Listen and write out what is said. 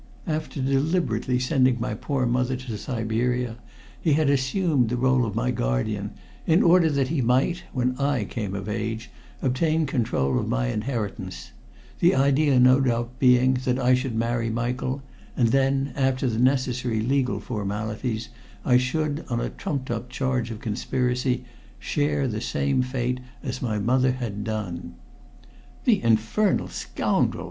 After deliberately sending my poor mother to Siberia, he had assumed the role of my guardian in order that he might, when I came of age, obtain control of my inheritance, the idea no doubt being that I should marry Michael, and then, after the necessary legal formalities, I should, on a trumped up charge of conspiracy, share the same fate as my mother had done." "The infernal scoundrel!"